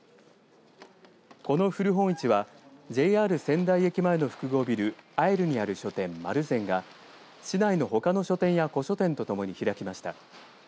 この古本市はＪＲ仙台駅前の複合ビルＡＥＲにある書店、丸善が市内のほかの書店や古書店とともに開きました。